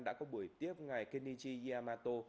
đã có buổi tiếp ngày kenichi yamato